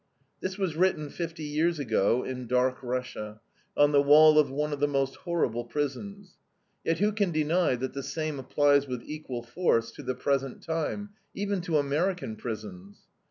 '" This was written fifty years ago in dark Russia, on the wall of one of the most horrible prisons. Yet who can deny that the same applies with equal force to the present time, even to American prisons?